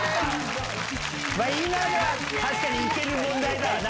今のは、確かにいける問題だわな。